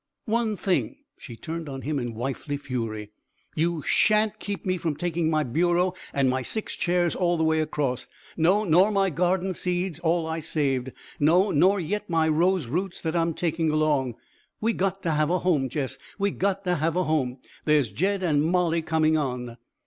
"One thing" she turned on him in wifely fury "you shan't keep me from taking my bureau and my six chairs all the way across! No, nor my garden seeds, all I saved. No, nor yet my rose roots that I'm taking along. We got to have a home, Jess we got to have a home! There's Jed and Molly coming on."